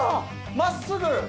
真っすぐ。